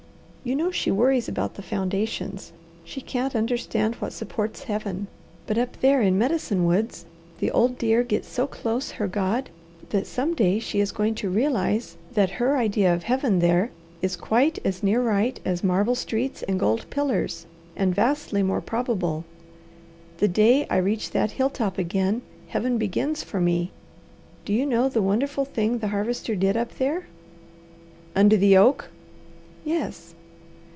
You know she worries about the foundations. She can't understand what supports Heaven. But up there in Medicine Woods the old dear gets so close her God that some day she is going to realize that her idea of Heaven there is quite as near right as marble streets and gold pillars and vastly more probable. The day I reach that hill top again, Heaven begins for me. Do you know the wonderful thing the Harvester did up there?" "Under the oak?" "Yes."